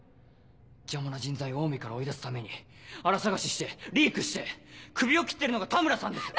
邪魔な人材をオウミから追い出すためにあら探ししてリークしてクビを切ってるのが田村さんです。